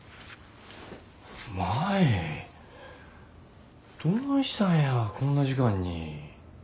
舞どないしたんやこんな時間に。